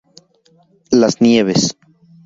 Las Nieves.